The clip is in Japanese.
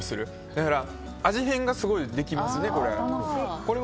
だから、味変がすごくできますね。